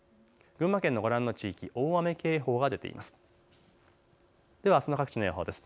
群馬県のご覧の地域大雨警報が出ています。